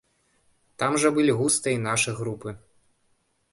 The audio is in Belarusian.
Там жа былі густа і нашы групы.